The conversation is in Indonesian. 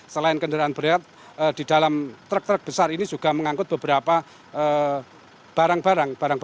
selain kendaraan berat di dalam truk truk besar ini juga mengangkut beberapa barang barang